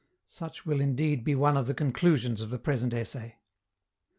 Such will indeed be one of the conclusions of the present essay.